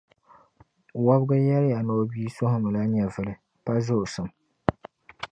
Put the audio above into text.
Wɔbigu yɛliya ni o bia suhimila nyɛvili, pa zoosim.